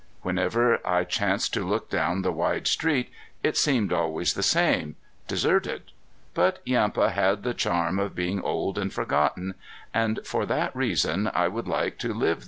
Whenever I chanced to look down the wide street it seemed always the same deserted. But Yampa had the charm of being old and forgotten, and for that reason I would like to live there a while.